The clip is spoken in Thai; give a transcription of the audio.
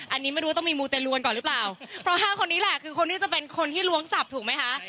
อันนี้ไม่รู้ว่าต้องมีมูเตรลวนก่อนหรือเปล่าเพราะห้าคนนี้แหละคือคนที่จะเป็นคนที่ล้วงจับถูกไหมคะ